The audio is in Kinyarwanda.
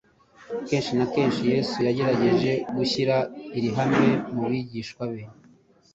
Kenshi na kenshi Yesu yagerageje gushyira iri hame mu bigishwa be.